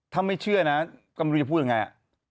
ถ้าไม่เชื่อนะกำลังจะพูดยังไง